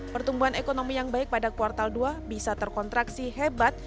pertumbuhan ekonomi yang baik pada kuartal dua bisa terkontraksi hebat